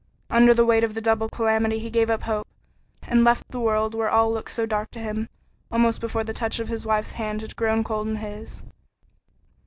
Under the weight of the double calamity he gave up hope, and left the world where all looked so dark to him, almost before the touch of his wife's hand had grown cold in his.